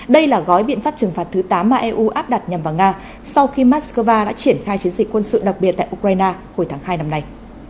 đây là gói biện pháp trừng phạt thứ tám mà eu áp đặt nhằm vào nga sau khi moscow đã triển khai chiến dịch quân sự đặc biệt tại ukraine hồi tháng hai năm nay